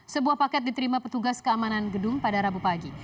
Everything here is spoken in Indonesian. sebuah paket diterima petugas keamanan gedung pada rabu pagi